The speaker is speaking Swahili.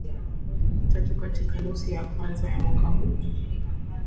Tatu katika nusu ya kwanza ya mwaka huu